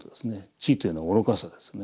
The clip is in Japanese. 「癡」というのは愚かさですね。